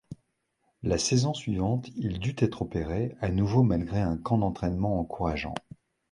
La saison suivante, il dut être opéré à nouveau malgré un camp d'entraînement encourageant.